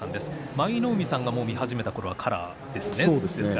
舞の海さんが見始めたころはカラーですね。